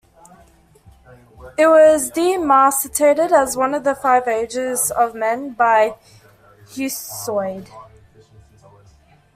It was demarcated as one of the five Ages of Man by Hesiod.